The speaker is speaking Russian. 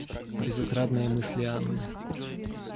Безотрадные мысли Анны.